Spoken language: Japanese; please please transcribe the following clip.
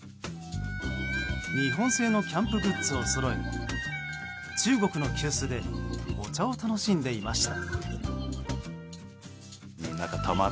日本製のキャンプグッズをそろえ中国の急須でお茶を楽しんでいました。